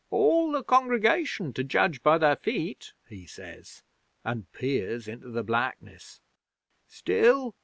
'"All the congregation, to judge by their feet," he says, and peers into the blackness. "Still!